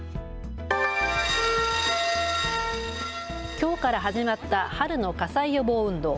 きょうから始まった春の火災予防運動。